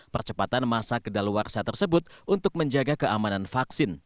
percepatan masa kedaluarsa tersebut untuk menjaga keamanan vaksin